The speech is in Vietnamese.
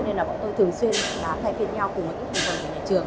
cho nên là bọn tôi thường xuyên thay phiên nhau cùng với các doanh nghiệp nhà trường